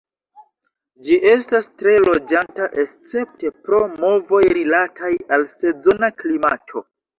Ĝi estas tre loĝanta escepte pro movoj rilataj al sezona klimato.